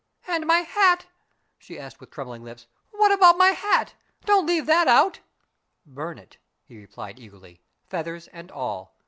"And my hat?" she asked with trembling lips. "What about my hat? Don't leave that out." "Burn it," he replied eagerly, "feathers and all.